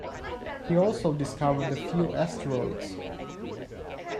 He also discovered a few asteroids.